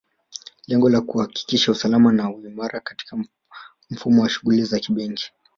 Lengo la kuhakikisha usalama na uimara katika mfumo wa shughuli za kibenki